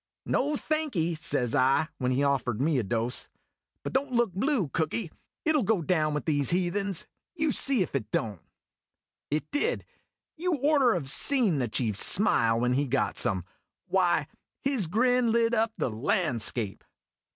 "No, thanky," says I, when he offered me a dose; "but don't look blue, Cooky. It '11 go down with these heathens you see if it don't." It did. You orter Ve seen the chief smile when he got some why, his grin lit up the landscape.